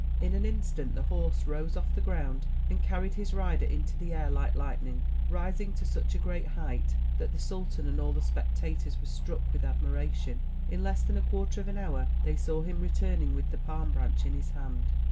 In an instant the horse rose off the ground and carried his rider into the air like lightning, rising to such a great height that the sultan and all the spectators were struck with admiration. In less than a quarter of an hour they saw him returning with the palm branch in his hand.